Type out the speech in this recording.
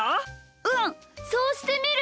うんそうしてみる！